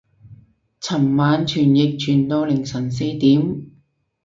尋晚傳譯傳到凌晨四點